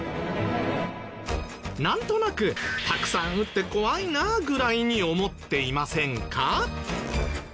なんとなく「たくさん撃って怖いな」ぐらいに思っていませんか？